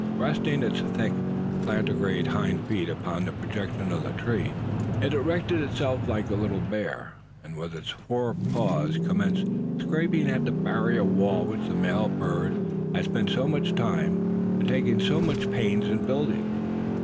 Resting its thick plantigrade hind feet upon the projection of the tree, it erected itself like a little bear; and with its fore paws commenced scraping at the barrier wall which the male bird had spent so much time and taken so much pains in building.